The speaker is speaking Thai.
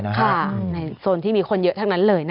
ในโซนที่มีคนเยอะทั้งนั้นเลย